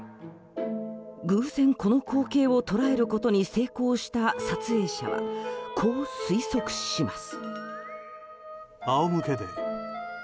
偶然この光景を捉えることに成功した撮影者はこう推測します。